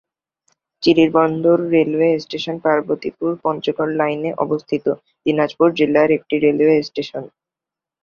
Chirirbandar railway station Parbatipur-Panchagarh লাইনে অবস্থিত দিনাজপুর জেলার একটি রেলওয়ে স্টেশন।